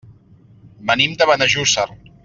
Venim de Benejússer.